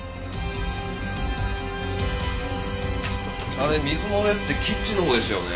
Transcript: あれ水漏れってキッチンのほうですよね？